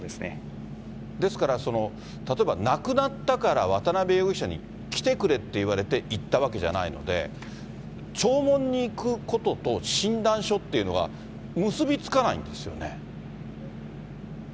ですから、例えば亡くなったから、渡辺容疑者に来てくれって言われて行ったわけじゃないので、弔問に行くことと診断書っていうのが、結び付かないんですよね。